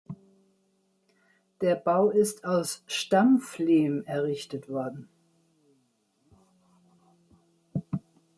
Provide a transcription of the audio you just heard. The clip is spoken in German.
Der Bau ist aus Stampflehm errichtet worden.